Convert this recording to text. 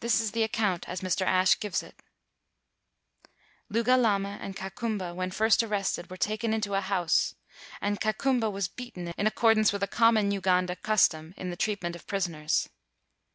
This is the account as Mr. Ashe gives it: "Lugalama and Kakumba, when first ar rested, were taken into a house, and Ka kumba was beaten in accordance with a common Uganda custom in the treatment of prisoners.